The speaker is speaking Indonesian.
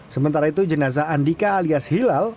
sementara itu jenazah andika alias hilal